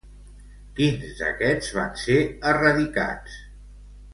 Quins d'aquests van ser erradicats?